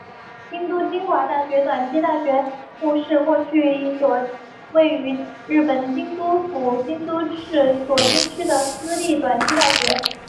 京都精华大学短期大学部是过去一所位于日本京都府京都市左京区的私立短期大学。